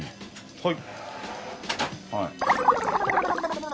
はい。